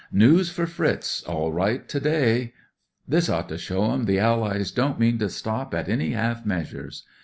News for Fritz, all right, to day." This ought to show 'em the Allies don't mean to stop at any half measures.